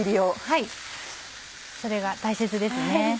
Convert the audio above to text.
はいそれが大切です。